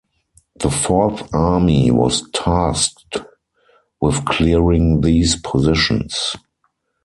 The Fourth Army was tasked with clearing these positions.